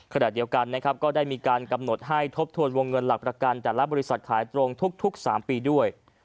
ขณะเดียวกันนะครับก็ได้มีการกำหนดให้ทบทวนวงเงินหลักประกันแต่ละบริษัทขายตรงทุก๓ปีด้วย